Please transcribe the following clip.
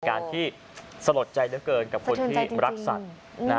การที่สลดใจเหลือเกินกับคนที่รักสัตว์